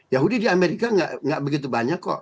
yahudi di amerika nggak begitu banyak kok